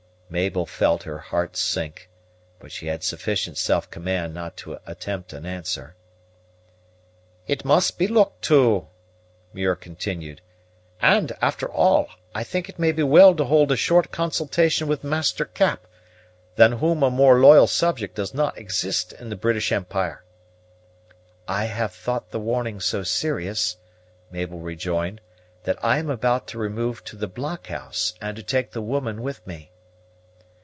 Mabel felt her heart sink, but she had sufficient self command not to attempt an answer. "It must be looked to," Muir continued, "and, after all, I think it may be well to hold a short consultation with Master Cap, than whom a more loyal subject does not exist in the British empire." "I have thought the warning so serious," Mabel rejoined, "that I am about to remove to the blockhouse, and to take the woman with me."